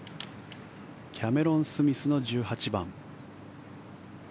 キャメロン・スミスの１８番。